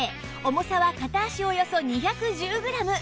重さは片足およそ２１０グラム